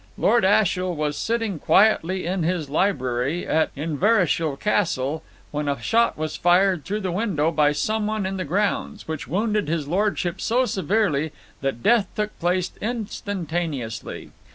Lord Ashiel was sitting quietly in his library at Inverashiel Castle, when a shot was fired through the window by someone in the grounds, which wounded his Lordship so severely that death took place instantaneously.